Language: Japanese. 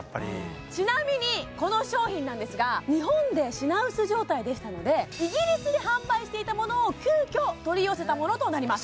ちなみにこの商品なんですが日本で品薄状態でしたのでイギリスで販売していたものを急きょ取り寄せたものとなります